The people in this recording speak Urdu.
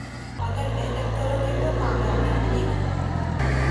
اگر محنت کرو گے تو کامیابی ملے گی